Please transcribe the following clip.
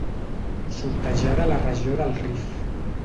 Sortejada a la regió del Rif.